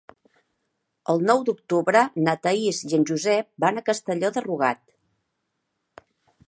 El nou d'octubre na Thaís i en Josep van a Castelló de Rugat.